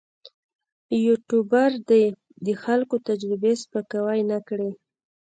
یوټوبر دې د خلکو تجربې سپکاوی نه کړي.